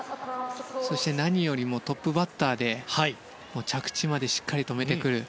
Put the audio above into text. そして何よりもトップバッターで着地までしっかり止めてくる。